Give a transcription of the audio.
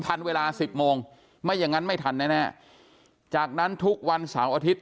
ทันเวลาสิบโมงไม่อย่างนั้นไม่ทันแน่แน่จากนั้นทุกวันเสาร์อาทิตย